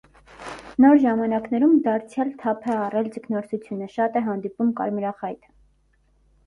Նոր ժամանակներում դարձյալ թափ է առել ձկնորսությունը, շատ է հանդիպում կարմրախայտը։